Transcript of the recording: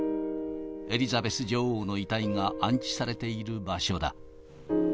エリザベス女王の遺体が安置されている場所だ。